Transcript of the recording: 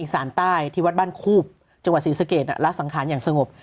สารใต้ที่วัดบ้านคูบจังหวัดศรีสะเกดละสังขารอย่างสงบ